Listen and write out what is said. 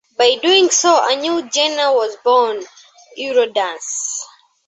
By doing so a new genre was born: Eurodance.